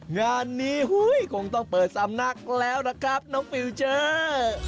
งานนี้คงต้องเปิดสำนักแล้วนะครับน้องปิวเจอ